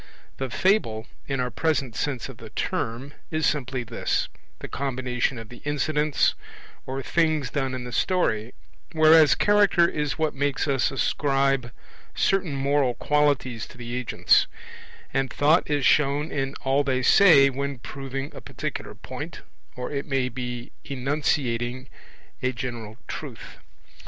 The Fable, in our present sense of the term, is simply this, the combination of the incidents, or things done in the story; whereas Character is what makes us ascribe certain moral qualities to the agents; and Thought is shown in all they say when proving a particular point or, it may be, enunciating a general truth.